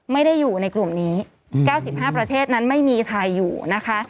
ไม่ได้อยู่ในกลุ่มนี้๙๕ประเทศนั้นไม่มีไทยอยู่นะคะ